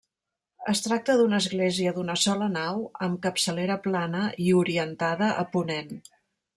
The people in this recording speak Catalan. Es tracta d'una església d'una sola nau amb capçalera plana i orientada a ponent.